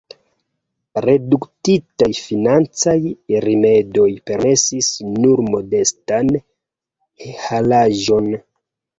Reduktitaj financaj rimedoj permesis nur modestan halaĵon.